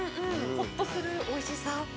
ほっとするおいしさ？